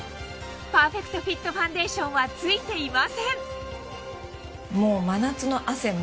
パーフェクトフィットファンデーションはついていません